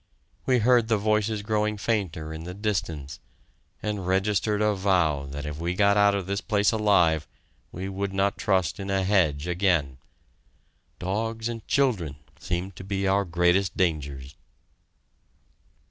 We heard the voices growing fainter in the distance, and registered a vow that if we got out of this place alive we would not trust in a hedge again. Dogs and children seemed to be our greatest dangers!